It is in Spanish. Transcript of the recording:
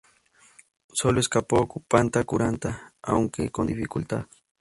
Sólo escapó Kupanta-Kurunta, aunque con dificultad.